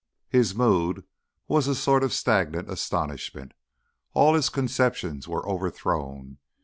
His mood was a sort of stagnant astonishment. All his conceptions were overthrown.